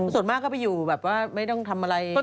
ส่วนมากก็ไปอยู่แบบว่าไม่ต้องทำอะไร